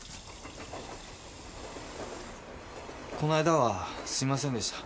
この間はすいませんでした。